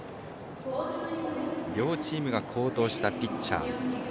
両チームが好投したピッチャー。